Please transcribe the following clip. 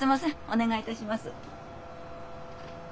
お願いいたします。